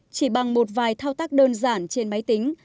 chỉ bằng một vài thao tác đơn giản trên máy tính